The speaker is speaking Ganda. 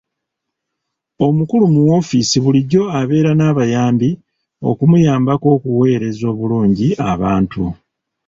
Omukulu mu woofiisi bulijjo abeera n'abayambi okumuyambako okuweereza obulungi abantu.